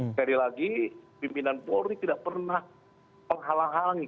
sekali lagi pimpinan polri tidak pernah menghalang halangi